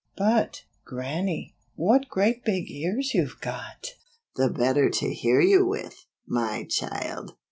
" But, Grannie, what great big ears you've got!" "The better to hear with, my child."